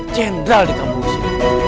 jendral di kampung ini